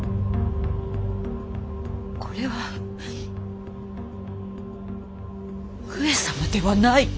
これは上様ではない。